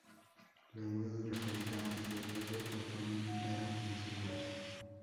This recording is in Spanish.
La vida de los habitantes del lado otomano era insegura.